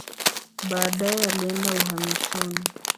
Baadaye alienda uhamishoni.